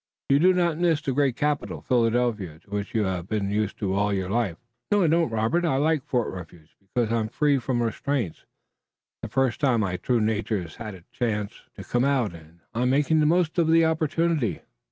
You do not miss the great capital, Philadelphia, to which you have been used all your life." "No, I don't, Robert. I like Fort Refuge, because I'm free from restraints. It's the first time my true nature has had a chance to come out, and I'm making the most of the opportunity.